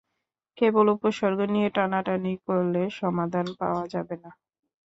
কেবল উপসর্গ নিয়ে টানাটানি করলে সমাধান পাওয়া যাবে না।